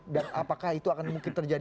apakah itu akan mungkin terjadi